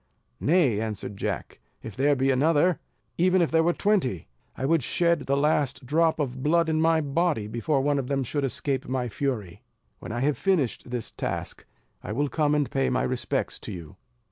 "Nay," answered Jack, "if there be another, even if there were twenty, I would shed the last drop of blood in my body before one of them should escape my fury. When I have finished this task, I will come and pay my respects to you."